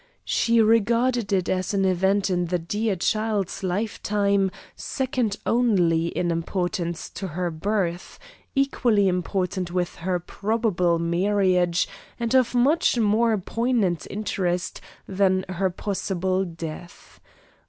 She regarded it as an event in the dear child's lifetime second only in importance to her birth; equally important with her probable marriage and of much more poignant interest than her possible death.